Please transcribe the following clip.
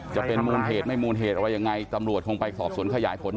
จะเป็นมูลเหตุไม่มูลเหตุอะไรยังไงตำรวจคงไปสอบสวนขยายผล